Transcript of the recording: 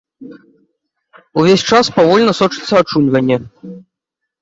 Увесь час павольна сочыцца ачуньванне.